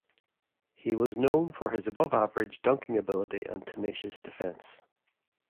He was known for his above-average dunking ability, and tenacious defense.